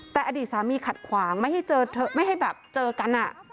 แต่อดีตสามีขัดขวางไม่ให้เจอกัน